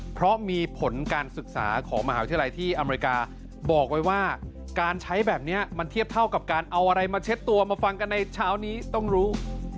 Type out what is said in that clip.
เพราะมีผลการศึกษาของมหาวิทยาลัยที่อเมริกาบอกไว้ว่าการใช้แบบนี้มันเทียบเท่ากับการเอาอะไรมาเช็ดตัวมาฟังกันในเช้านี้ต้องรู้